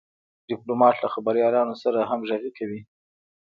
ډيپلومات له خبریالانو سره همږغي کوي.